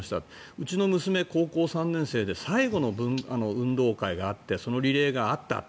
うちの娘、高校３年生で最後の運動会があってそのリレーがあった。